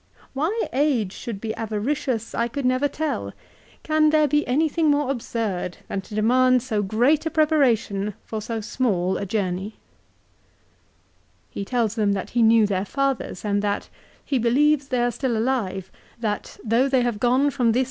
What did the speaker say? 3 " Why age should be avaricious I could never tell. Can there be anything more absurd than to demand so great a preparation for so small a journey !" 4 He tells them that he knew their fathers, and that " he believes they are still alive, that though they have gone from this 1 De Senectute, ca. ix.